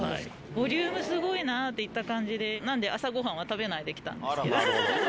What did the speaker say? ボリュームすごいなといった感じで、なんで、朝ごはんは食べないで来たんです。